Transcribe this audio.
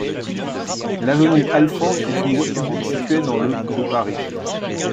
L'avenue Alphand est une voie publique située dans le de Paris.